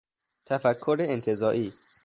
تفکر انتزاعی